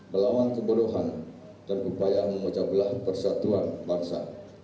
melawan kebodohan dan upaya memucapkan persatuan bangsa